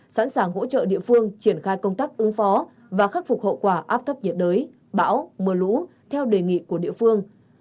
sẵn sàng hỗ trợ địa phương triển khai công tác ứng phó và khắc phục hậu quả áp thấp nhiệt đới bão mưa lũ theo đề nghị của địa phương